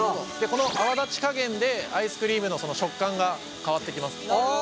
この泡立ち加減でアイスクリームの食感が変わってきます。